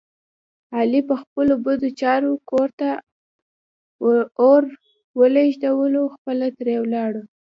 علي په خپلو بدو چارو کور ته اور ولږولو خپله ترې ولاړو.